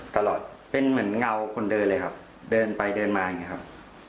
ตลอดเป็นเหมือนเงาคนเดินเลยครับเดินไปเดินมาอย่างนี้ครับ